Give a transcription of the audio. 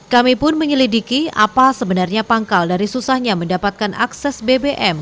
kami pun menyelidiki apa sebenarnya pangkal dari susahnya mendapatkan akses bbm